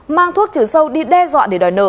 mang thuốc trừ sâu đi đe dọa để đòi nợ